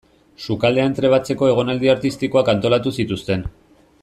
Sukaldean trebatzeko egonaldi artistikoak antolatu zituzten.